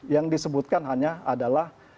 yang disebutkan hanya adalah